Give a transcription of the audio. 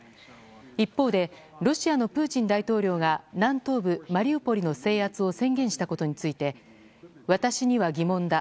一方でロシアのプーチン大統領が南東部マリウポリの制圧を宣言したことについて私には疑問だ。